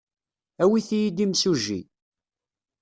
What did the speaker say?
Awit-iyi-d imsujji.